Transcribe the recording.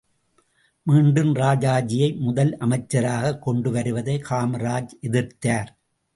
மீண்டும் ராஜாஜியை முதலமைச்சராகக் கொண்டு வருவதை காமராஜ் எதிர்த்தார்.